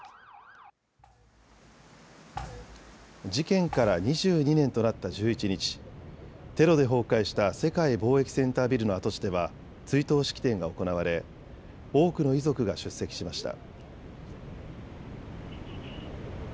事件から２２年となった１１日、テロで崩壊した世界貿易センタービルの跡地では追悼式典が行われ多くの遺族が出席しました。